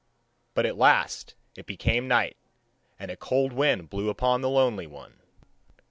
But at last it became night, and a cold wind blew upon the lonely one.